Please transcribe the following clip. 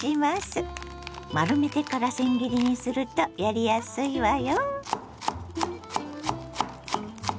丸めてからせん切りにするとやりやすいわよ。